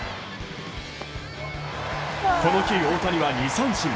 この日、大谷は２三振。